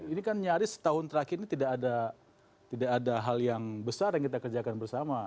ini kan nyaris setahun terakhir ini tidak ada hal yang besar yang kita kerjakan bersama